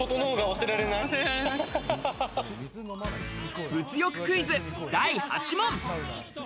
物欲クイズ、第８問。